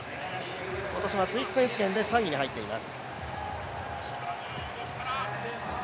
今年はスイス選手権で３位に入っています。